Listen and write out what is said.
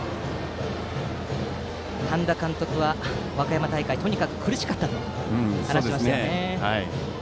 半田監督は和歌山大会はとにかく苦しかったと話していました。